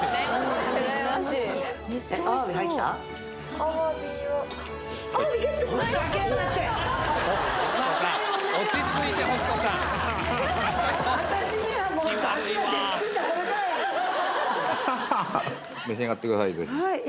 アワビは召し上がってください